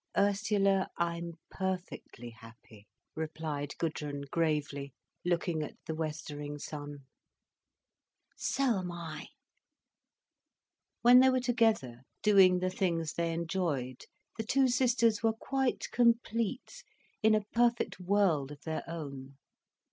"Ursula, I'm perfectly happy," replied Gudrun gravely, looking at the westering sun. "So am I." When they were together, doing the things they enjoyed, the two sisters were quite complete in a perfect world of their own.